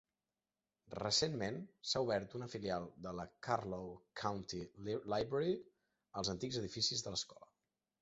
Recentment, s'ha obert una filial de la Carlow County Library als antics edificis de l'escola.